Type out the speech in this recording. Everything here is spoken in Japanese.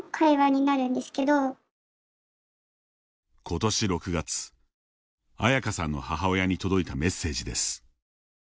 ことし６月、アヤカさんの母親に届いたメッセージです。